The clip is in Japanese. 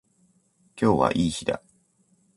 今日はいい日だ。